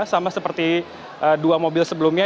sama seperti dua mobil sebelumnya